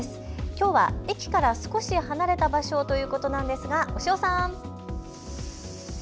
きょうは駅から少し離れた場所ということなんですが、押尾さん。